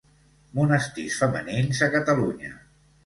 Monestirs femenins a Catalunya.